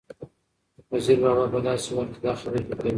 وزیر بابا په داسې وخت کې دا خبرې لیکلي